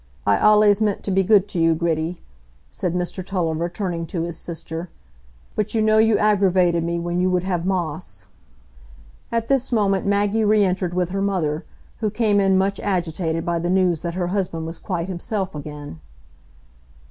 I allays meant to be good to you, Gritty," said Mr Tulliver, turning to his sister; "but you know you aggravated me when you would have Moss." At this moment Maggie re entered with her mother, who came in much agitated by the news that her husband was quite himself again.